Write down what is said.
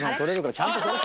ちゃんと撮れ！